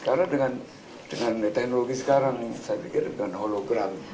karena dengan teknologi sekarang nih saya pikir dengan hologram